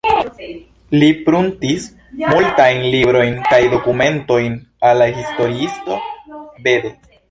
Li pruntis multajn librojn kaj dokumentojn al la historiisto Bede.